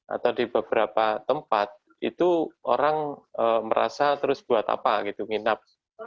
atau di beberapa tempat itu orang merasa terus buat apa gitu nginap